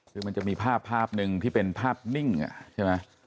คือมันจะมีภาพภาพหนึ่งที่เป็นภาพนิ่งใช่ไหม